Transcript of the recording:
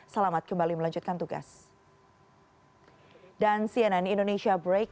selamat kembali melanjutkan tugas